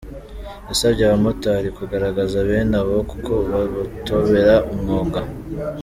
Yasabye abamotari kugaragaza bene abo kuko babatobera umwuga.